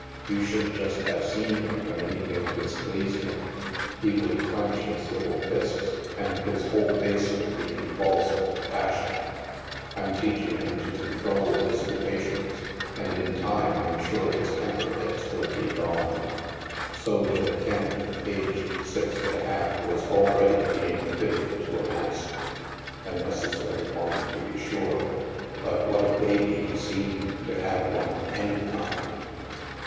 You should just have seen him when anything dis pleased him. He would clench his little fists, and his whole face would be convulsed with passion. Fm teaching him to control his impatience, and, in time, Fm sure his temper fits will be gone." (So little Ken, aged six and a half, was already being fitted to a mask. A necessary one, to be sure, but what a baby he seemed to have one of any kind!)